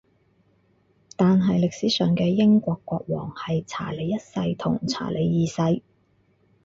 但係歷史上嘅英國國王係查理一世同查理二世